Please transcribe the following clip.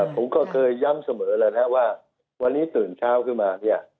ผมก็เคยย้ำเสมอแล้วนะว่าวันนี้ตื่นเช้าขึ้นมาเนี่ย